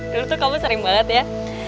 dulu tuh kamu sering banget ya